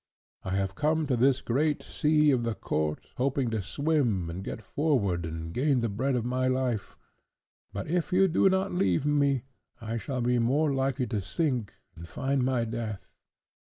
I have come to this great sea of the Court, hoping to swim and get forward and gain the bread of my life; but if you do not leave me I shall be more likely to sink and find my death.